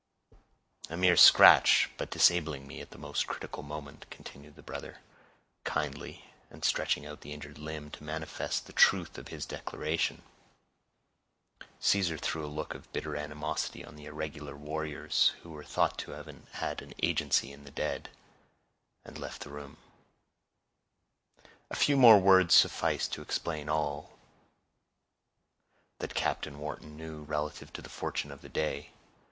"A mere scratch, but disabling me at a most critical moment," continued the brother, kindly, and stretching out the injured limb to manifest the truth of his declaration. Caesar threw a look of bitter animosity on the irregular warriors who were thought to have had an agency in the deed, and left the room. A few more words sufficed to explain all that Captain Wharton knew relative to the fortune of the day.